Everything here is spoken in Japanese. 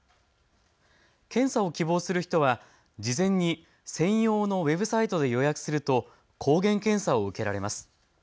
検査を希望する人は事前に専用のウェブサイトで予約すると抗原検査を受けられます。